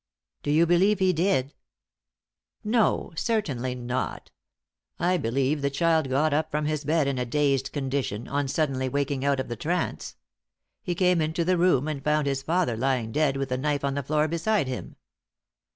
"Do you believe he did?" "No, certainly not. I believe the child got up from his bed in a dazed condition on suddenly waking out of the trance. He came into the room and found his father lying dead with the knife on the floor beside him.